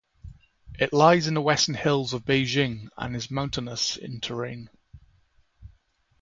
It lies in the Western Hills of Beijing and is mountainous in terrain.